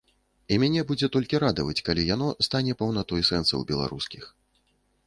І мяне будзе толькі радаваць, калі яно стане паўнатой сэнсаў беларускіх.